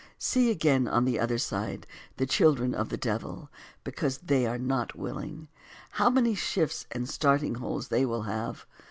'' 2. See again, on the other side, the children of the devil, because they are not willing, how many shifts and starting holes they will have.